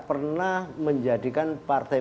pernah menjadikan partai